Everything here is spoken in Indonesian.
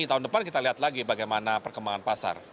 tahun depan kita lihat lagi bagaimana perkembangan pasar